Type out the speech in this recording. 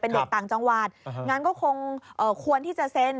เป็นเด็กต่างจังหวัดงั้นก็คงควรที่จะเซ็น